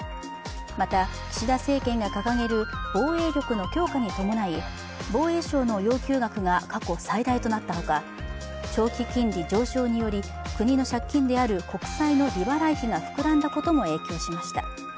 また岸田政権が掲げる防衛力の強化に伴い防衛省の要求額が過去最大となったほか長期金利上昇により国の借金である国債の利払い費が膨らんだことも影響しました。